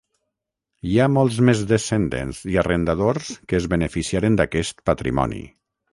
Hi ha molts més descendents i arrendadors que es beneficiaren d'aquest patrimoni.